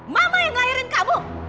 mama yang lahirin kamu